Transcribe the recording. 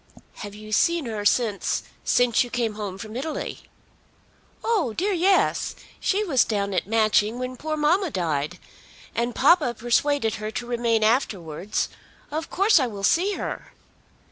"Have you seen her since, since you came home from Italy?" "Oh dear, yes! She was down at Matching when poor mamma died. And papa persuaded her to remain afterwards. Of course I will see her."